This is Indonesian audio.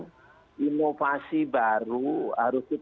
sehingga berbagai masyarakat